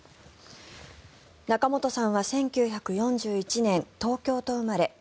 仲本さんは１９４１年、東京都生まれ。